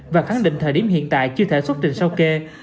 và khẳng định thời điểm hiện tại chưa thể xuất trình sau kê